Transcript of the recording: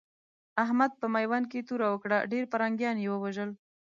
احمد په ميوند کې توره وکړه؛ ډېر پرنګيان يې ووژل.